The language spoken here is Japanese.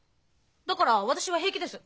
だから私は平気です。